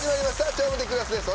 『超無敵クラス』です。